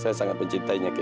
saya sangat mencintainya kiai